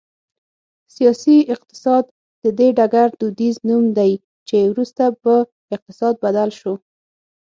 سیاسي اقتصاد د دې ډګر دودیز نوم دی چې وروسته په اقتصاد بدل شو